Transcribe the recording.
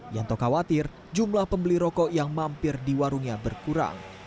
yanto khawatir jumlah pembeli rokok yang mampir di warungnya berkurang